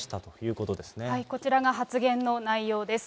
こちらが発言の内容です。